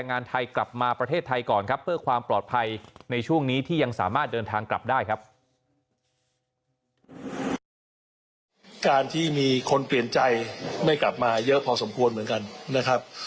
การที่มีคนเปลี่ยนใจไม่กลับมาเยอะพอสมควรเหมือนกันนะครับ